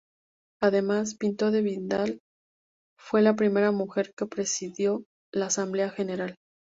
Además, Pinto de Vidal fue la primera mujer que presidió la Asamblea General.